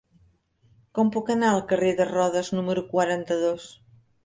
Com puc anar al carrer de Rodes número quaranta-dos?